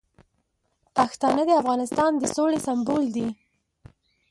پښتانه د افغانستان د سولې سمبول دي.